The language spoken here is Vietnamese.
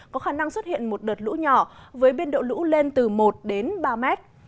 có khả năng xuất hiện một đợt lũ nhỏ với biên độ lũ lên từ một đến ba mét